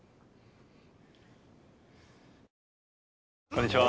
こんにちは。